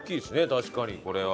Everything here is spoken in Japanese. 確かにこれは。